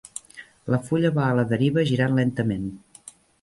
La fulla va a la deriva girant lentament.